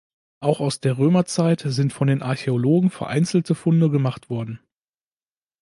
Auch aus der Römerzeit sind von den Archäologen vereinzelte Funde gemacht worden.